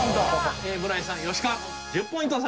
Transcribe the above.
村井さん吉川君１０ポイント差し上げます！